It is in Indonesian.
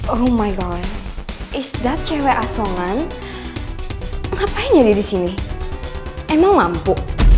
oh my god is that cewek asongan ngapain jadi disini emang lampu